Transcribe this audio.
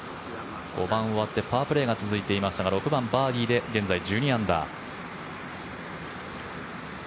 ５番終わってパープレーが続いていましたが６番、バーディーで現在１２アンダー。